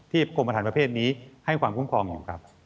กรมประธานประเภทนี้ให้ความคุ้มครองอยู่ครับ